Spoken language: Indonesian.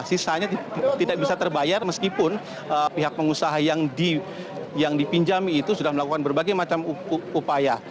sisanya tidak bisa terbayar meskipun pihak pengusaha yang dipinjami itu sudah melakukan berbagai macam upaya